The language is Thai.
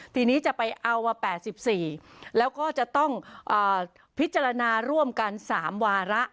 ทีนี้จะไปเอามา๘๔แล้วก็จะต้องพิจารณาร่วมกัน๓วาระ